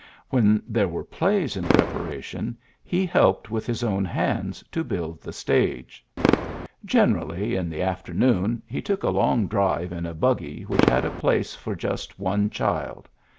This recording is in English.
When there were plays in prepara tion, he helped with his own hands to build the stage. Generally, in the 92 PHILLIPS BEOOKS afternoon he took a long drive in a buggy which had a place for just one child.